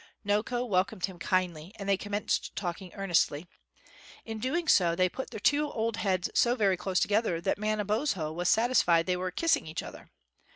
Noko welcomed him kindly and they commenced talking earnestly. In doing so, they put their two old heads so very close together that Manabozho was satisfied they were kissing each other.